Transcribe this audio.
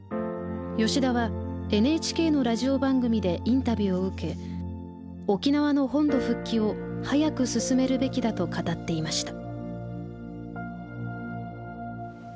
吉田はＮＨＫのラジオ番組でインタビューを受け沖縄の本土復帰を早く進めるべきだと語っていました。